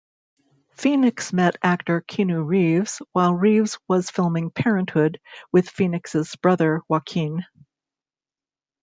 Phoenix met actor Keanu Reeves while Reeves was filming "Parenthood" with Phoenix's brother, Joaquin.